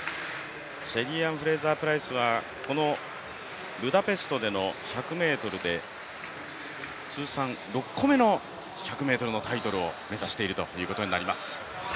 シェリーアン・フレイザープライスはこのブダペストでの１００ｍで通算６個目の１００ｍのタイトルを目指しているということになります。